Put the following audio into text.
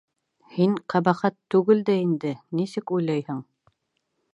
Һин ҡәбәхәт түгел дә инде, нисек уйлайһың?